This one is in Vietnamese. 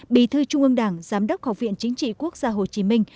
bí thư trung ương đảng giám đốc học viện chính trị quốc gia hồ chí minh